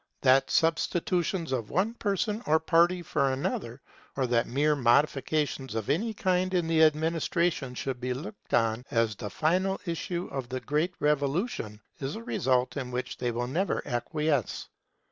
That substitutions of one person or party for another, or that mere modifications of any kind in the administration should be looked on as the final issue of the great Revolution, is a result in which they will never acquiesce.